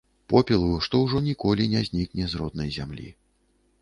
Попелу, што ўжо ніколі не знікне з роднай зямлі.